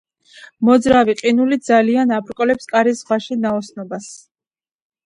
მოძრავი ყინული ძალიან აბრკოლებს კარის ზღვაში ნაოსნობას.